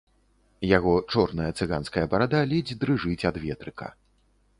Яго чорная цыганская барада ледзь дрыжыць ад ветрыка.